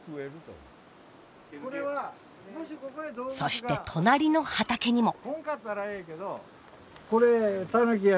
そして隣の畑にも。